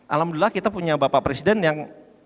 alhamdulillah kita punya bapak presiden yang